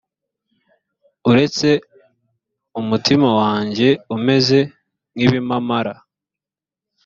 arakutse umutima wanjye umeze nk ibimamara